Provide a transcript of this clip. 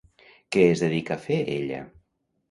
Què es dedica a fer ella?